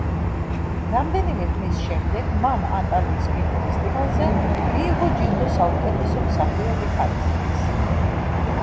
რამდენიმე ხნის შემდეგ მან ანტალიის კინოფესტივალზე მიიღო ჯილდო საუკეთესო მსახიობი ქალისთვის.